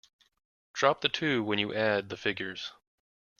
Drop the two when you add the figures.